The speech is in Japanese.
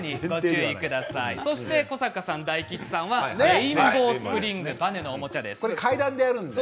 古坂さん、大吉さんはレインボースプリングばねのおもちゃです。